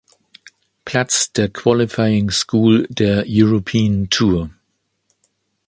Platz der Qualifying School der European Tour.